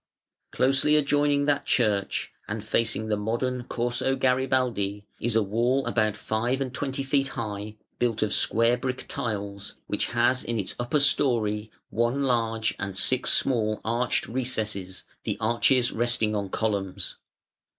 Closely adjoining that church, and facing the modern Corso Garibaldi, is a wall about five and twenty feet high, built of square brick tiles, which has in its upper storey one large and six small arched recesses, the arches resting on columns.